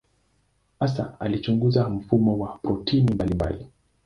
Hasa alichunguza mfumo wa protini mbalimbali.